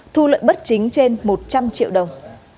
thu lợi bất chính trên một trăm linh triệu đồng